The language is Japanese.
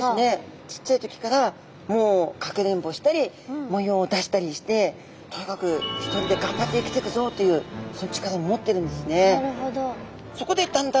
ちっちゃい時からもうかくれんぼしたり模様を出したりしてとにかくというそういう力持ってるんですね。